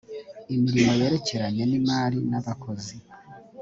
imirimo yerekeranye n imari n abakozi